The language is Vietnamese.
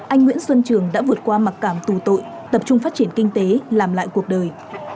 anh nguyễn xuân trường đã vượt qua mặc cảm tù tội tập trung phát triển kinh tế làm lại cuộc đời